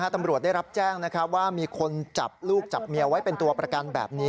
ตำรวจได้รับแจ้งว่ามีคนจับลูกจับเมียไว้เป็นตัวประกันแบบนี้